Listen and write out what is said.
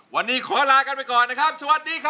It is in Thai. วันนี้ขอลากันไปก่อนนะครับสวัสดีครับ